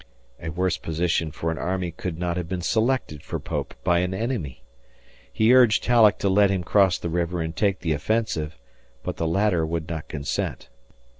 A worse position for an army could not have been selected for Pope by an enemy. He urged Halleck to let him cross the river and take the offensive, but the latter would not consent.